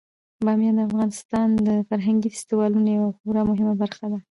بامیان د افغانستان د فرهنګي فستیوالونو یوه خورا مهمه برخه ده.